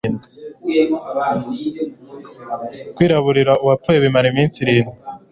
kwiraburira uwapfuye bimara iminsi irindwi